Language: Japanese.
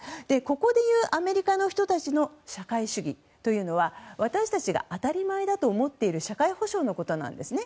ここでいうアメリカの人たちの社会主義というのは私たちが当たり前だと思っている社会保障のことなんですね。